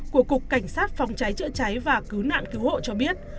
của cục cảnh sát phòng cháy chữa cháy và cứu nạn cứu hộ cho biết